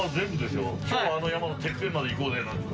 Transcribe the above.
「今日はあの山のてっぺんまで行こうね」